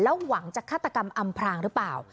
หวังจะฆาตกรรมอำพรางหรือเปล่า